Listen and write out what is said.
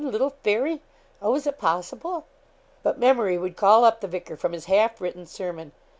little Fairy! Oh, was it possible!' But memory would call up the vicar from his half written sermon.